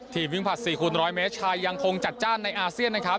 วิ่งผลัด๔คูณ๑๐๐เมตรชายยังคงจัดจ้านในอาเซียนนะครับ